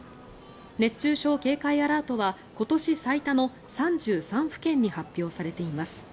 熱中症警戒アラートは今年最多の３３府県に発表されています。